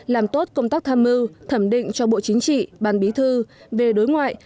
làm tốt công tác tham mưu thẩm định cho bộ chính trị ban bí thư về đối ngoại